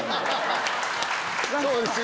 そうですね